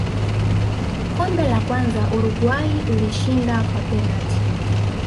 Kombe la kwanza Uruguay ilishinda kwa penati